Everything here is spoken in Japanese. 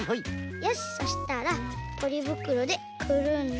よしそしたらポリぶくろでくるんで。